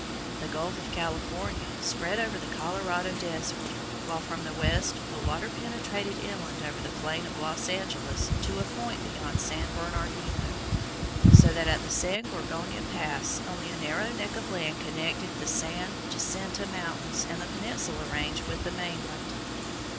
The Gulf of California spread over the Colorado Desert, while from the west the water penetrated inland over the plain of Los Angeles to a point beyond San Bernardino, so that at the San Gorgonio pass only a narrow neck of land connected the San Jacinto Mountains and the Peninsula Range with the mainland.